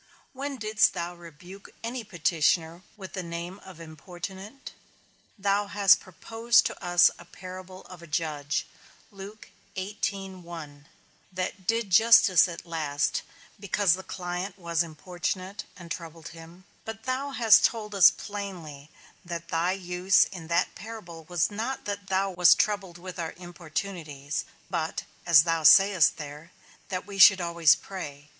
When didst thou rebuke any petitioner with the name of importunate? Thou hast proposed to us a parable of a judge that did justice at last, because the client was importunate, and troubled him; but thou hast told us plainly, that thy use in that parable was not that thou wast troubled with our importunities, but (as thou sayest there) that we should always pray.